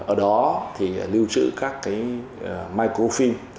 ở đó thì lưu trữ các microfilm